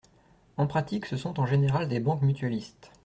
En pratique, ce sont en général des banques mutualistes.